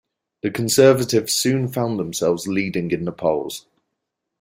The Conservatives soon found themselves leading in the polls.